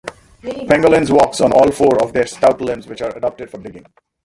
Pangolins walk on all four of their stout limbs, which are adapted for digging.